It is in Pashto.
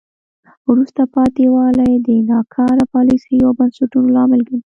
وروسته پاتې والی د ناکاره پالیسیو او بنسټونو لامل ګڼي.